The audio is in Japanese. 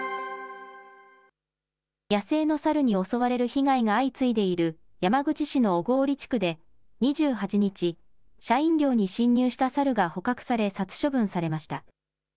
野生のサルに襲われる被害が相次いでいる山口市の小郡地区で、２８日、社員寮に侵入したサルが捕獲され、殺処分されました。